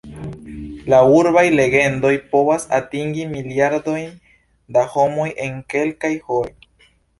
La urbaj legendoj povas atingi miliardojn da homoj en kelkaj horoj.